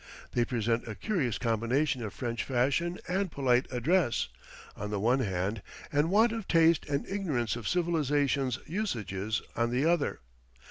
They present a curious combination of French fashion and polite address, on the one hand, and want of taste and ignorance of civilization's usages on the other.